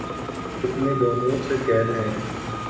اتنے دنوں سے قید ہیں